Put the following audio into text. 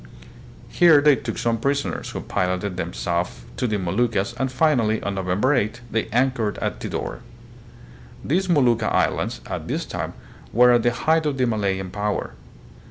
Here they took some prisoners, who piloted them south to the Mo luccas, and finally, on November 8, they anchored at Tidor. These Molucca islands, at this time, were at the height of the Malayan power.